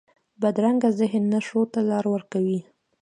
بدرنګه ذهن نه ښو ته لار ورکوي